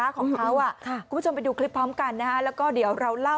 เห็นมั้ยคะลูกศรชี้นะคะ